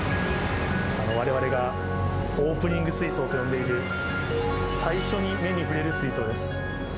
われわれがオープニング水槽と呼んでいる、最初に目に触れる水槽です。